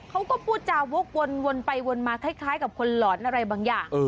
เขาก็พูดจาวกวนไปวนมาคล้ายกับคนหลอนอะไรบางอย่าง